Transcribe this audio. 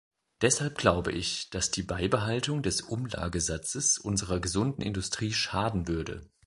Deshalb glaube ich, dass die Beibehaltung des Umlagesatzes unserer gesunden Industrie schaden würde.